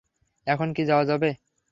এখন কি যাওয়া যাবে?